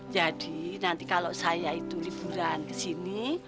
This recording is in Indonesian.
jadi nanti kalau saya itu liburan kesini